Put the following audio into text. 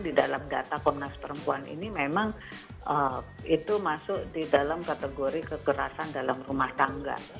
di dalam data komnas perempuan ini memang itu masuk di dalam kategori kekerasan dalam rumah tangga